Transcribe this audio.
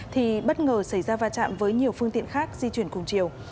thì bất ngờ xảy ra va chạm với nhiều phương tiện khác di chuyển cùng chiều